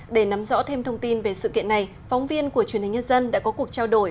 để nắm rõ thêm thông tin về sự kiện này phóng viên của truyền hình nhân dân đã có cuộc trao đổi